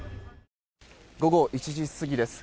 午後１時過ぎです。